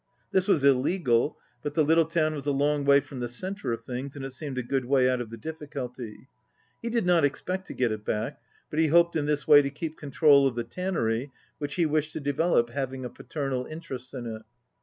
This was illegal, but the little town was a long way from the centre of things, and it seemed a good way out of the difRculty. He did not expect to get it back, but he hoped in this way to keep control of the tannery, which he wished to develop, having a paternal interest in it.